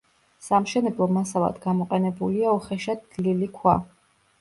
სამშენებლო მასალად გამოყენებულია უხეშად თლილი ქვა.